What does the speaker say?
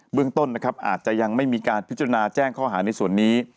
เรื่องต้นนะครับอาจจะยังไม่มีการพิจารณาแจ้งข้อหาในส่วนนี้